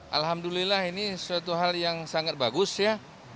alhamdulillah ini suatu hal yang sangat bagus ya